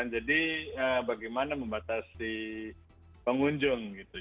jadi bagaimana membatasi pengunjung gitu